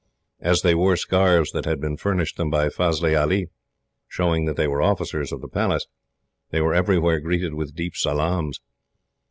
As they wore scarves that had been furnished them by Fazli Ali, showing that they were officers of the Palace, they were everywhere greeted with deep salaams.